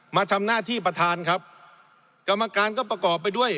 มาทำหน้าที่ประธานครับกรรมการก็ประกอบไปด้วย